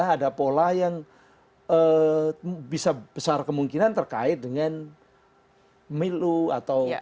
ada pola yang bisa besar kemungkinan terkait dengan milu atau